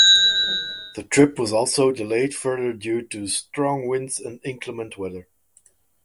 The trip was also delayed further due to strong winds and inclement weather.